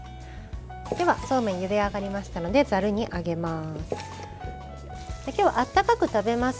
では、そうめんゆで上がりましたのでざるに上げます。